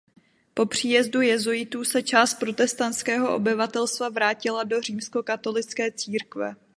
Po příjezdu jezuitů se část protestantského obyvatelstva vrátila do římskokatolické církve.